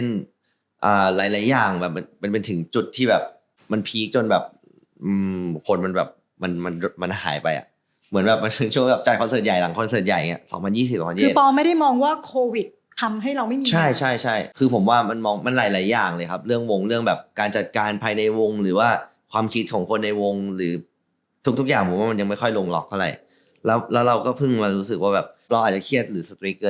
จ่ายคอนเสิร์ตใหญ่หลังคอนเสิร์ตใหญ่อย่างเงี้ย๒๐๒๐๒๐๑๗คือพอไม่ได้มองว่าโควิดทำให้เราไม่มีงานใช่คือผมว่ามันมองมันหลายอย่างเลยครับเรื่องวงเรื่องแบบการจัดการภายในวงหรือว่าความคิดของคนในวงหรือทุกอย่างผมว่ามันยังไม่ค่อยลงหรอกเท่าไหร่แล้วแล้วเราก็เพิ่งมารู้สึกว่าแบบเราอาจจะเครียดหรือสตริก